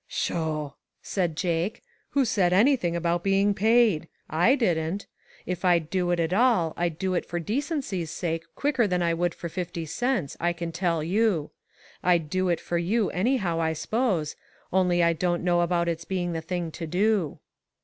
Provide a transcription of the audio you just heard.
" Sho !" said Jake, " who said anything about being paid? I didn't. If I'd do it at all, I'd do it for decency's sake quicker than I would for fifty cents, I can tell you. I'd do it for you, anyhow, I s'pose, only I don't know about it's being the thing to do."